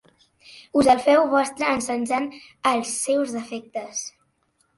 Us el feu vostre encensant els seus defectes!